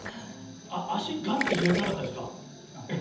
足をガッと開いてなかったですか？